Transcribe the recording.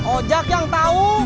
ojak yang tau